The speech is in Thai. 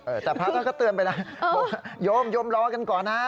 เออแต่พระท่านก็เตือนไปนะยมยมรอกันก่อนนะ